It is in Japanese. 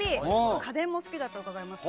家電も好きだと伺いました。